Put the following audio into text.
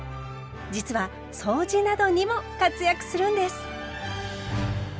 実は掃除などにも活躍するんです！